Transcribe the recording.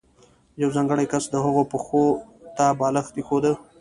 یو ځانګړی کس د هغه پښو ته بالښت ایښوده.